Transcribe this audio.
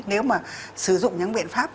nếu mà sử dụng những biện pháp